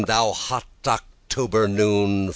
thou hot October noon!